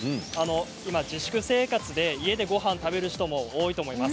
今自粛生活で家でごはんを食べる方も、多いと思います。